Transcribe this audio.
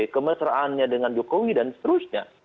kemesraannya dengan jokowi dan seterusnya